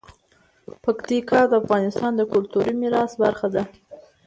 پکتیکا د افغانستان د کلتوري میراث برخه ده.